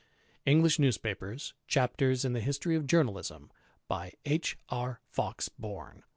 '"— (English News papers: Chapters in the History of Journalism. By H. R, Fox Bourne.